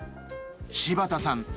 柴田さん